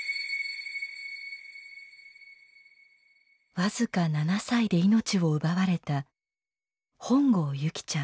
僅か７歳で命を奪われた本郷優希ちゃん。